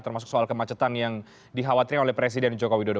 termasuk soal kemacetan yang dikhawatirkan oleh presiden joko widodo